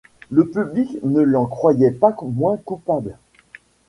Le public ne l'en croyait pas moins coupable.